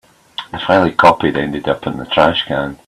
The file he copied ended up in the trash can.